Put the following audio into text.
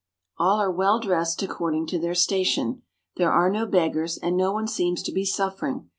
All are well dressed according to their station. There are no beggars, and no one seems to be suffering.